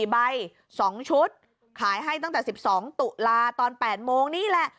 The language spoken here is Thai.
๔ใบ๒ชุดขายให้ตั้งแต่๑๒ตุลาตอน๘โมงนี่แหละ